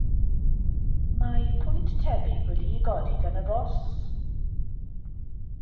Mae pwynt tebyg wedi'i godi gan y bòs.